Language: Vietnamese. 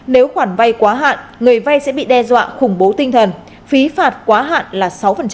nếu khoản vay quá hạn người vay sẽ bị đe dọa khủng bố tinh thần phí phạt quá hạn là sáu